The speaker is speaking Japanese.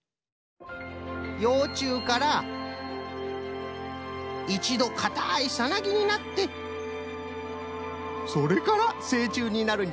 ようちゅうからいちどかたいサナギになってそれからせいちゅうになるんじゃよ。